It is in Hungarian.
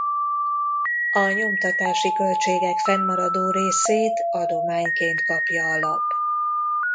A nyomtatási költségek fennmaradó részét adományként kapja a lap.